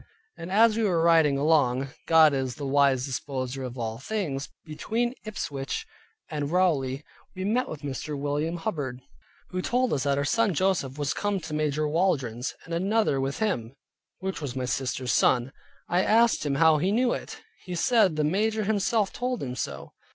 And as we were riding along (God is the wise disposer of all things) between Ipswich and Rowley we met with Mr. William Hubbard, who told us that our son Joseph was come in to Major Waldron's, and another with him, which was my sister's son. I asked him how he knew it? He said the major himself told him so.